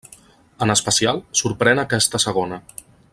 En especial, sorprèn aquesta segona.